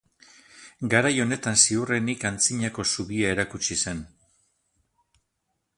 Garai honetan ziurrenik antzinako zubia erakutsi zen.